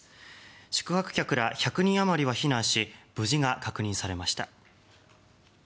宿泊客ら１００人あまりは避難し無事が確認されました。